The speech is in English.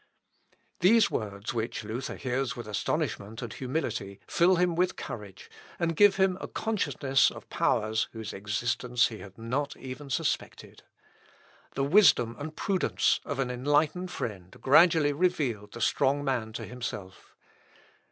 These words, which Luther hears with astonishment and humility, fill him with courage, and give him a consciousness of powers, whose existence he had not even suspected. The wisdom and prudence of an enlightened friend gradually reveal the strong man to himself.